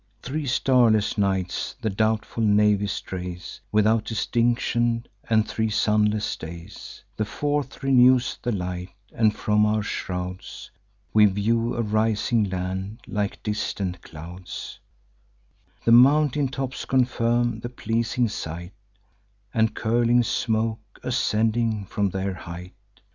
Three starless nights the doubtful navy strays, Without distinction, and three sunless days; The fourth renews the light, and, from our shrouds, We view a rising land, like distant clouds; The mountain tops confirm the pleasing sight, And curling smoke ascending from their height.